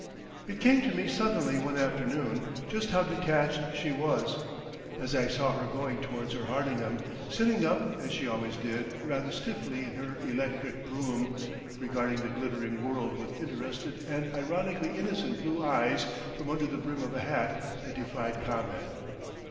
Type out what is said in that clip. It came to me suddenly one afternoon just how detached she was, as I saw her going towards the Hardingham, sitting up, as she always did, rather stiffly in her electric brougham, regarding the glittering world with interested and ironically innocent blue eyes from under the brim of a hat that defied comment.